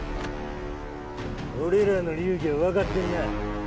俺らの流儀は分かってんな？